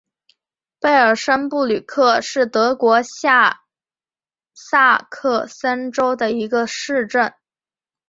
贝尔森布吕克是德国下萨克森州的一个市镇。